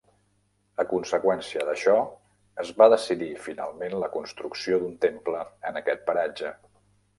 A conseqüència d'això, es va decidir finalment la construcció d'un temple en aquest paratge.